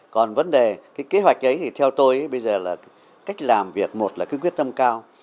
còn vấn đề cái kế hoạch ấy thì theo tôi bây giờ là cách làm việc một là cứ quyết tâm cao